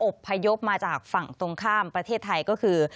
พยพมาจากฝั่งตรงข้ามประเทศไทยก็คือ